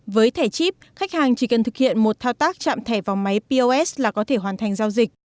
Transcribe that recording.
với thẻ chip khách hàng chỉ cần thực hiện một thao tác chạm thẻ vào máy pos là có thể hoàn thành giao dịch